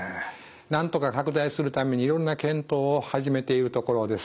なんとか拡大するためにいろんな検討を始めているところです。